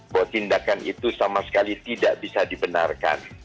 bahwa tindakan itu sama sekali tidak bisa dibenarkan